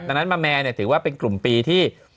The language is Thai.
ดังนั้นมาแมร์ถือว่าเป็นกลุ่มปีที่